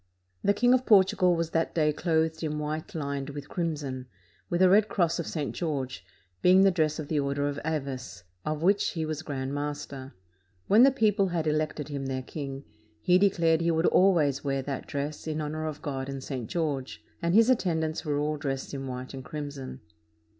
The King of Portugal was that day clothed in white Hned with crimson, with a red cross of St. George, being the dress of the Order of Avis, of which he was grand master. When the people had elected him their king, he declared he would always wear that dress in honor of God and St. George, and his at tendants were all dressed in white and crimson.